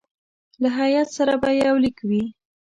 له هیات سره به یو لیک وي.